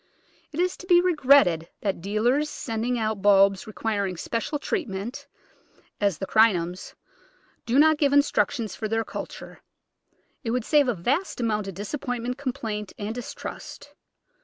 It is to be regretted that dealers sending out bulbs requiring spe cial treatment — as the Crinums— do not give instruc tions for their culture. It would save a vast amount of disappointment, complaint, and distrust.